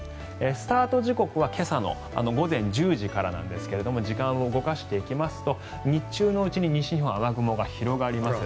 スタート時刻は今朝の午前１０時からなんですが時間を動かしていきますと日中のうちに西日本は雨雲が広がります。